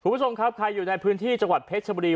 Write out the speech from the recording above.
คุณผู้ชมครับใครอยู่ในพื้นที่จังหวัดเพชรชบุรี